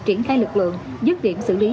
triển khai lực lượng dứt điểm xử lý